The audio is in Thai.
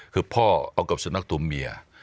คือพ่อเอากับสุนัขตัวเมีย